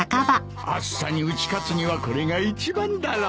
暑さに打ち勝つにはこれが一番だろ？